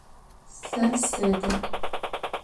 Se sede.